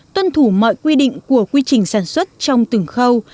tuân thủ mọi quy định của quy trình sản xuất trong từng khâu